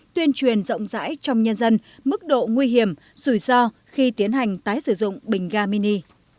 tuyên truyền rộng rãi trong nhân dân mức độ nguy hiểm rủi ro khi tiến hành tái sử dụng bình ga mini